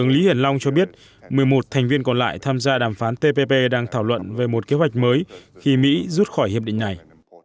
lý hiển long cho biết một mươi một thành viên còn lại tham gia đàm phán tpp đang thảo luận về một kế hoạch mới khi mỹ rút khỏi hiệp định này